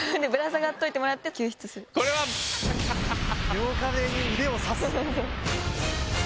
両壁に腕を刺す？